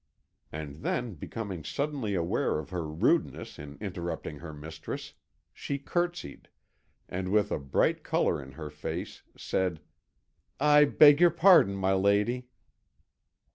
And then becoming suddenly aware of her rudeness in interrupting her mistress, she curtsied, and with a bright colour in her face, said, "I beg your pardon, my lady."